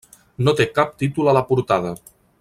No té cap títol a la portada.